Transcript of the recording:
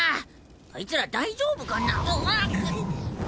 あいつら大丈夫かな。